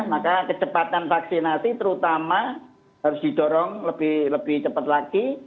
maka kecepatan vaksinasi terutama harus didorong lebih cepat lagi